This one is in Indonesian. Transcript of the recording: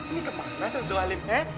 ini kemana datuk alem